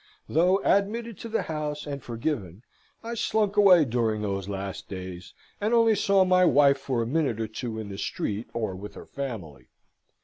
Though admitted to the house, and forgiven, I slunk away during those last days, and only saw my wife for a minute or two in the street, or with her family.